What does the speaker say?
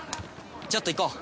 ちょっと行こう！